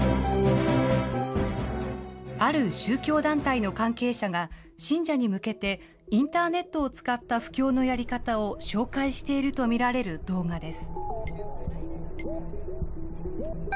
ある宗教団体の関係者が、信者に向けてインターネットを使った布教のやり方を紹介していると見られる動画です。